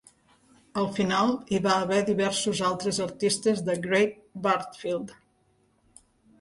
Al final hi va haver diversos altres artistes de Great Bardfield.